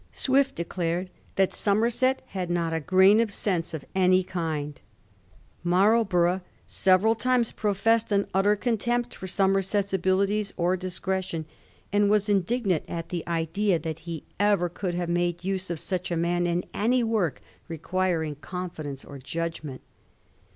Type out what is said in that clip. Swift declared that Somerset had not * a grain of sense of any kind.' Marlborough several times professed an utter contempt for Somerset's abilities or discretion, and was indignant at the idea Digitized by Google 1714 JOHN CAMPBELL OF ARGYLL. 57 that he ever could have made use of such a man in any work requiring confidence or judgment.